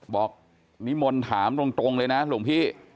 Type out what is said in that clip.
บอกนริมลธามตรงเลยนะลุงพี่